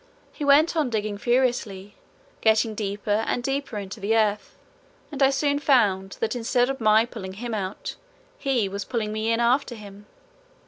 He went on digging furiously, getting deeper and deeper into the earth, and I soon found that instead of my pulling him out he was pulling me in after him.